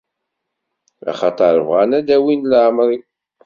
Axaṭer bɣan ad awin leεmer-iw.